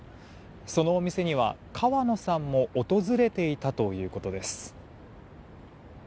そのお店には川野さんも訪れていたということです。